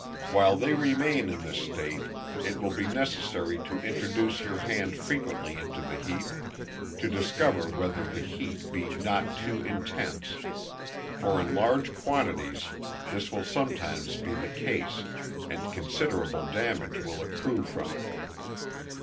While they remain in this state, it will be necessary to introduce your hand frequently into the heap, to discover whether the heat be not too intense; for in large quantities this will sometimes be the case, and considerable damage will accrue from it.